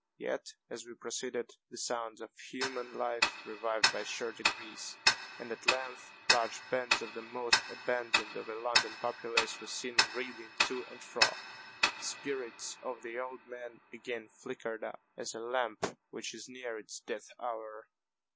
Yet, as we proceeded, the sounds of human life revived by sure degrees, and at length large bands of the most abandoned of a London populace were seen reeling to and fro. The spirits of the old man again flickered up, as a lamp which is near its death hour.